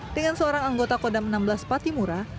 dengan seorang anggota kodam enam belas patimura